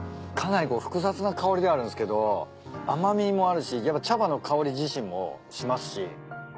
かなり複雑な香りではあるんですけど甘味もあるし茶葉の香り自身もしますし。